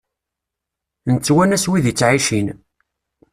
Nettwanas wid ittɛicin.